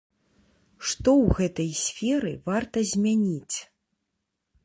Што ў гэтай сферы варта змяніць?